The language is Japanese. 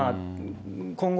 今後、